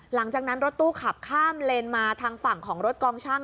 หลังจากนั้นรถตู้ขับข้ามเลนมาทางฝั่งของรถกองช่าง